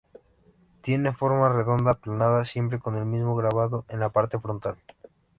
Tiene forma redonda aplanada siempre con el mismo grabado en la parte frontal.